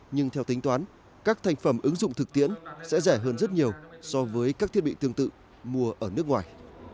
nhưng theo tính toán các thành phẩm ứng dụng thực tiễn sẽ rẻ hơn rất nhiều so với các thiết bị tương tự mua ở nước ngoài